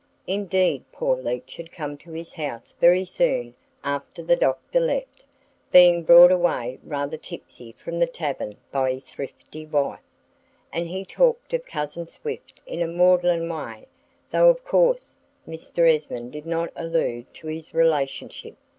Indeed poor Leach had come to his house very soon after the Doctor left it, being brought away rather tipsy from the tavern by his thrifty wife; and he talked of Cousin Swift in a maudlin way, though of course Mr. Esmond did not allude to this relationship.